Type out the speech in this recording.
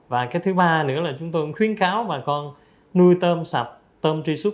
và thứ ba nữa chúng tôi cũng khuyến cáo bà con nuôi tôm sạch tôm truy xuất